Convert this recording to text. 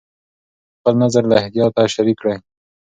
خپل نظر له احتیاطه شریک کړه.